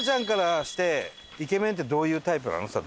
からしてイケメンってどういうタイプなの？